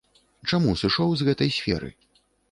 Чаму сышоў з гэтай сферы?